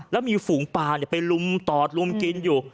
แล้วมีฝูงปลาไปลุมตอดลุมกินอยู่